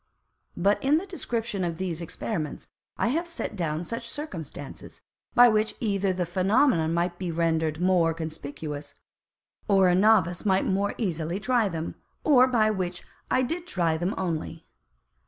But in the Description of these Experiments, I have set down such Circumstances, by which either the Phænomenon might be render'd more conspicuous, or a Novice might more easily try them, or by which I did try them only.